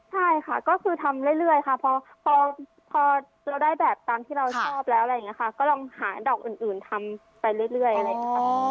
ใช่ค่ะก็คือทำเรื่อยค่ะพอเราได้แบบตามที่เราชอบแล้วอะไรอย่างนี้ค่ะก็ลองหาดอกอื่นทำไปเรื่อยอะไรอย่างนี้ค่ะ